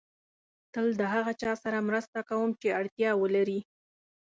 تل د هغه چا سره مرسته کوم چې اړتیا ولري.